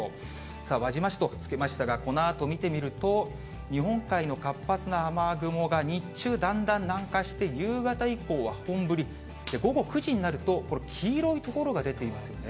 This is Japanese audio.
さあ、輪島市とつけましたが、このあと見てみると、日本海の活発な雨雲が日中、だんだん南下して、夕方以降は本降り、午後９時になるとこれ、黄色い所が出ていますよね。